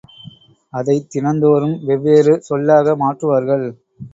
அதைத் தினந்தோறும் வெவ்வேறு சொல்லாக மாற்றுவார்கள்.